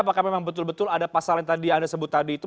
apakah memang betul betul ada pasal yang tadi anda sebut tadi itu